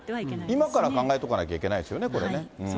今から考えとかなきゃいけないですよね、これね。